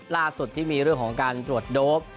ล่าสุดที่มีเรื่องของการตรวจโดป